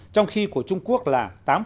trong khi của trung quốc là tám năm